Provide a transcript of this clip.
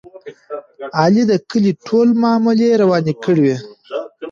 علي د کلي ټولې معاملې ورانې کړلې.